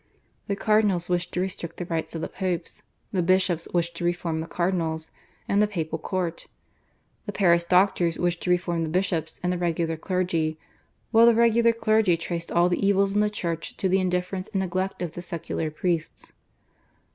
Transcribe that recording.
The cardinals wished to restrict the rights of the Pope; the bishops wished to reform the cardinals and the Papal Court; the Paris doctors wished to reform the bishops and the regular clergy; while the regular clergy traced all the evils in the Church to the indifference and neglect of the secular priests.